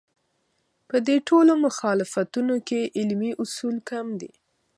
په دې ټولو مخالفتونو کې علمي اصول کم دي.